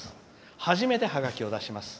初めてハガキを出します。